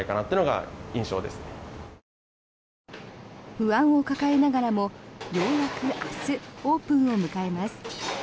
不安を抱えながらもようやく明日、オープンを迎えます。